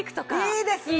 いいですね。